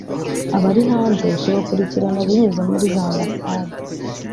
Abari hanze tubakurikirana binyuze muri za ambasade